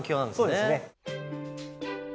そうですね。